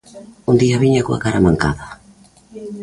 Un día viña coa cara mancada.